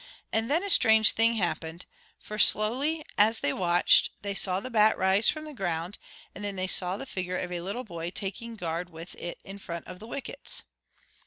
And then a strange thing happened, for slowly, as they watched, they saw the bat rise from the ground; and then they saw the figure of a little boy taking guard with it in front of the wickets.